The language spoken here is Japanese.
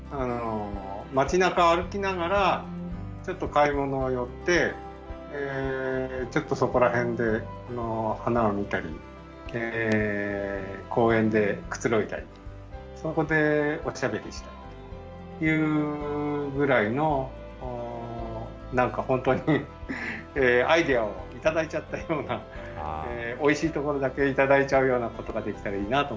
町なか歩きながらちょっと買い物寄ってちょっとそこら辺で花を見たり公園でくつろいだりそこでおしゃべりしたりというぐらいの何か本当にアイデアを頂いちゃったようなおいしいところだけ頂いちゃうようなことができたらいいなと思ってます。